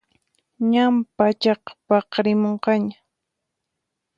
Ñan pachapaqarimunqaña